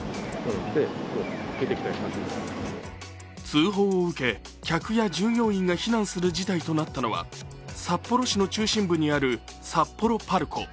通報を受け、客や従業員が避難する事態となったのは、札幌市の中心部にある札幌ＰＡＲＣＯ。